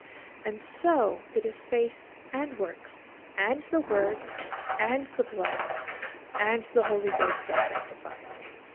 And so it is faith and works, and the word and the blood and the Holy Ghost that sanctify.